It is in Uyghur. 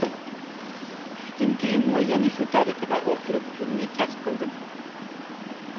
چۈشتىن كېيىنمۇ يەنە شۇ تەرىقىدە ئولتۇرۇپ كۈننى كەچ قىلدىم.